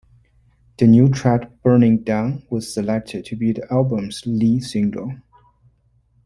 The new track "Burning Down" was selected to be the album's lead single.